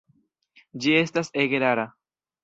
Ĝi estas ege rara.